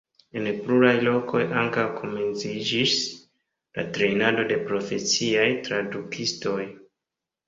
En pluraj lokoj ankaŭ komenciĝis la trejnado de profesiaj tradukistoj.